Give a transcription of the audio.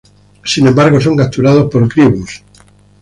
Sin embargo, son capturados por Grievous.